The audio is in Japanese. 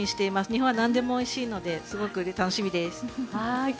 日本は何でもおいしいのですごく楽しみです。